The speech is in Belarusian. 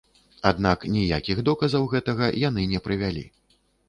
Аднак ніякіх доказаў гэтага яны не прывялі.